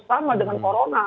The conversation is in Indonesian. sama dengan corona